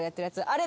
あれ